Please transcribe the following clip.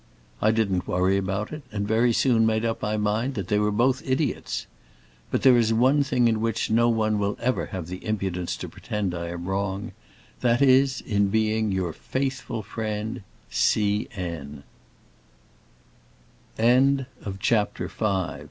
I didn't worry about it and very soon made up my mind they were both idiots. But there is one thing in which no one will ever have the impudence to pretend I am wrong, that is, in being your faithful friend, CHAPTER VI Newman gave up Da